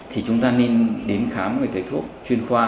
thì chúng ta nên đến khám người thầy thuốc chuyên khoa